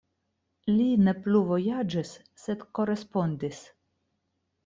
Li ne plu vojaĝis, sed korespondis.“.